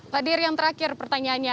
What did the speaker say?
pak dir yang terakhir pertanyaannya